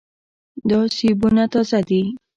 دا سیبونه تازه دي.